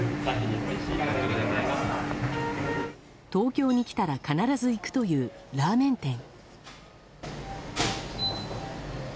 東京に来たら必ず行くというラーメン店。